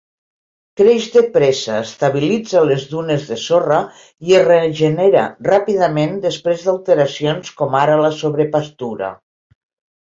Creix de pressa, estabilitza les dunes de sorra i es regenera ràpidament després d'alteracions com ara la sobrepastura.